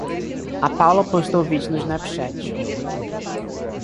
A Paula postou o vídeo no Snapchat